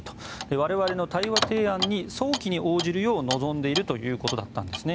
我々の対話提案に早期に応じるよう望んでいるということだったんですね。